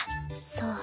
そう。